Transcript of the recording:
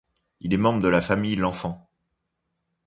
Il est membre de la famille L'Enfant.